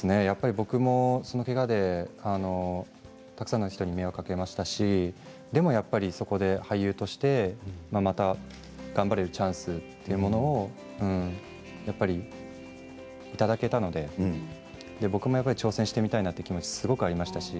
僕もそのけがでたくさんの人に迷惑をかけましたしでもそこで俳優としてまた頑張れるチャンスというものをいただけたので僕も挑戦してみたいなという気持ち、すごくありましたし